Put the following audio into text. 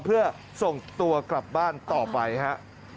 เพื่อส่งตัวกลับบ้านต่อไปครับ